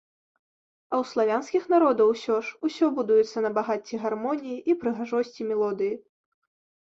А ў славянскіх народаў, усё ж, усё будуецца на багацці гармоніі і прыгажосці мелодыі.